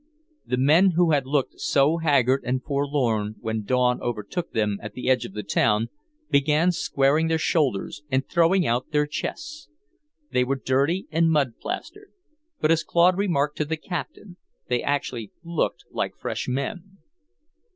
The men who had looked so haggard and forlorn when dawn overtook them at the edge of the town, began squaring their shoulders and throwing out their chests. They were dirty and mud plastered, but as Claude remarked to the Captain, they actually looked like fresh men.